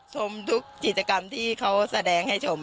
ชมทุกกิจกรรมที่เขาแสดงให้ชม